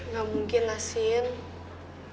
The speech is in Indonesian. gak mungkin lah sine